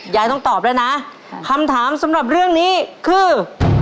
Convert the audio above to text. ยายต้องตอบด้วยนะคำถามสำหรับเรื่องนี้คือ